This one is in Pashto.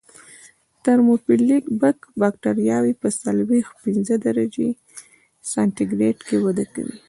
ترموفیلیک بکټریاوې په څلویښت پنځه درجې سانتي ګراد کې وده کوي.